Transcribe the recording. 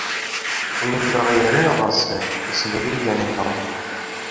Ҡуйынындағы йәрен алғансы, эсендәге йәнен ал.